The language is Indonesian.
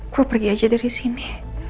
gue pergi aja dari sini